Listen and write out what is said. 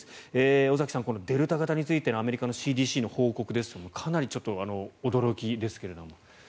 尾崎さん、このデルタ型についてアメリカのＣＤＣの報告ですがかなりちょっと驚きですけれども。